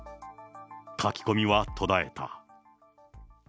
書き込みは途絶えた。